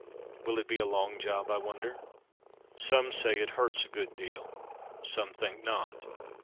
Will it be a long job, I wonder. Some say it hurts a good deal; some think not.